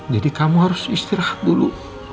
jadi kamu harus istirahat dulu